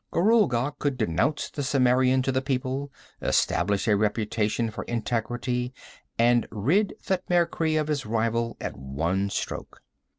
Gorulga could denounce the Cimmerian to the people, establish a reputation for integrity, and rid Thutmekri of his rival at one stroke.